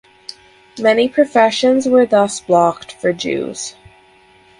Many professions were thus blocked for Jews.